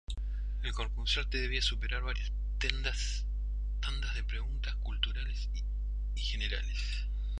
El concursante debía superar varias tandas de preguntas de cultura general.